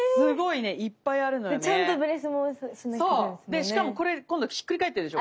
でしかもこれ今度ひっくり返ってるでしょこれ。